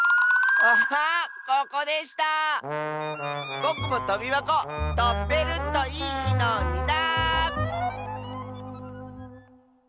ぼくもとびばことべるといいのにな！